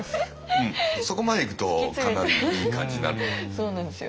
そこまでいくとかなりいい感じになると思います。